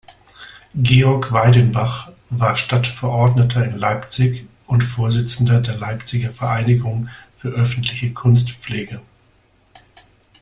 Georg Weidenbach war Stadtverordneter in Leipzig und Vorsitzender der "Leipziger Vereinigung für öffentliche Kunstpflege".